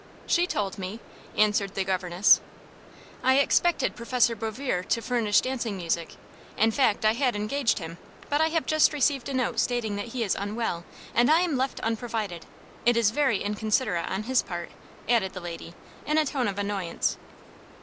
"She told me," answered the governess. "I expected Prof. Bouvier to furnish dancing music in fact, I had engaged him but I have just received a note stating that he is unwell, and I am left unprovided. It is very inconsiderate on his part," added the lady, in a tone of annoyance.